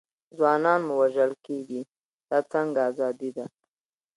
ځوانان مو وژل کېږي، دا څنګه ازادي ده.